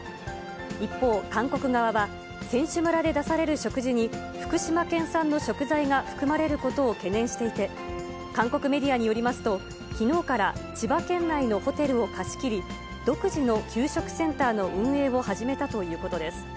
一方、韓国側は選手村で出される食事に、福島県産の食材が含まれることを懸念していて、韓国メディアによりますと、きのうから千葉県内のホテルを貸し切り、独自の給食センターの運営を始めたということです。